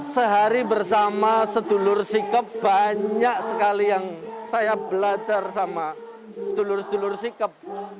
sehari bersama sedulur sikap banyak sekali yang saya belajar sama sedulur sedulur sikap